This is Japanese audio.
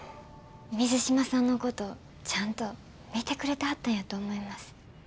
水島さんのことちゃんと見てくれてはったんやと思います。